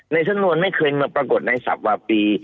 ในสั้นโน้นไม่เคยมาปรากฏในศพวาปี